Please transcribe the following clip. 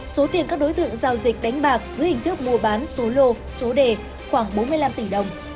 số tiền các đối tượng giao dịch đánh bạc dưới hình thức mua bán số lô số đề khoảng bốn mươi năm tỷ đồng